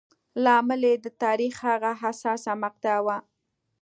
لامل یې د تاریخ هغه حساسه مقطعه وه.